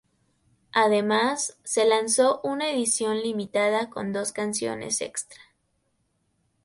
Además, se lanzó una edición limitada con dos canciones extra.